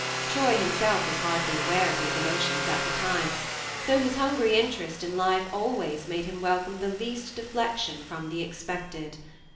Troy himself was hardly aware of these emotions at the time, though his hungry interest in life always made him welcome the least deflection from the expected.